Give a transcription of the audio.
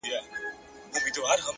هره ورځ د اصلاح نوې موقع ده.